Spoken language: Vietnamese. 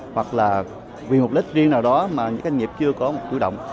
hoặc là vì một lịch riêng nào đó mà các doanh nghiệp chưa có